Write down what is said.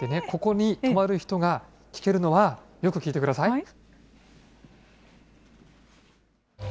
ここに泊まる人が聴けるのは、よく聴いてください。